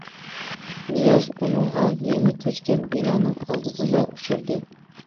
نىياز ئۇنىڭغا يېڭى كۆچكەن بىنانىڭ ئالدىدىلا ئۇچرىدى.